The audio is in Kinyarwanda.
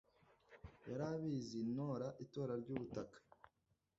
yarabiriza ntora itora ryubutaka